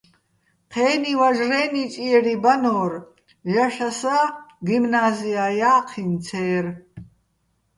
ჴე́ნი ვაჟრე́ ნიჭიერი ბანო́რ, ჲაშასა́ გიმნაზია́ ჲა́ჴიჼ ცე́რ.